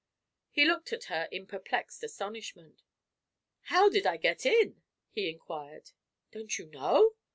He looked at her in perplexed astonishment. "How did I get in?" he inquired. "Don't you know?"